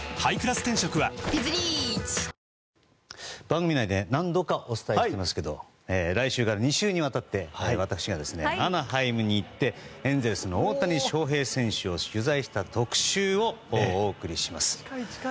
番組内で何度かお伝えしていますが来週から２週にわたって私がアナハイムに行ってエンゼルスの大谷翔平選手を取材した特集をお送りします。